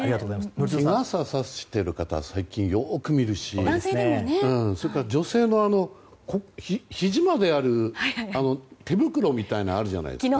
日傘をさしている方は最近、よく見るしそれから、女性のひじまである手袋みたいなものあるじゃないですか。